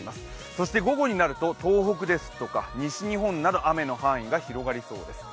そして午後になると東北ですとか西日本で雨の範囲が広がりそうです。